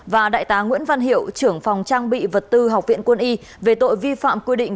và đại tá nguyễn văn hiệu trưởng phòng trang bị vật tư học viện quân y về tội vi phạm quy định